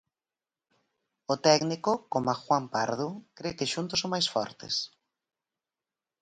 O técnico, coma Juan Pardo, cre que xuntos son máis fortes.